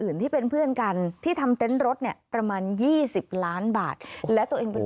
ที่เป็นเพื่อนกันที่ทำเต็นต์รถเนี่ยประมาณ๒๐ล้านบาทและตัวเองเป็น